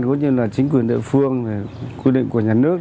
cũng như là chính quyền địa phương quy định của nhà nước